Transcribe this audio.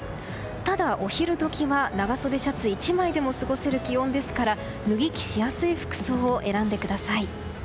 ただ、お昼時は長袖シャツ１枚でも過ごせる気温ですから脱ぎ着しやすい服装を選んでください。